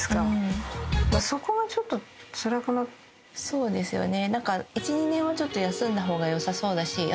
そうですよね。